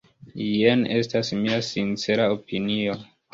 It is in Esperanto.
Jen estas mia sincera opinio.